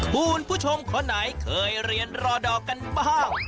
คุณผู้ชมคนไหนเคยเรียนรอดอกันบ้าง